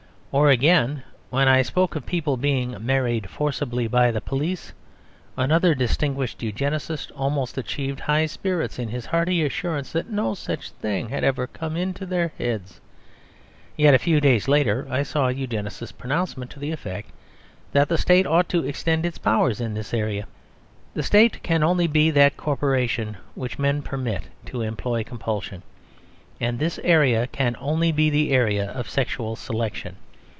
Or again, when I spoke of people "being married forcibly by the police," another distinguished Eugenist almost achieved high spirits in his hearty assurance that no such thing had ever come into their heads. Yet a few days after I saw a Eugenist pronouncement, to the effect that the State ought to extend its powers in this area. The State can only be that corporation which men permit to employ compulsion; and this area can only be the area of sexual selection.